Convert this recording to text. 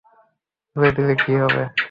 খুলে নিলে কী হবে?